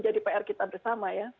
jadi pr kita bersama ya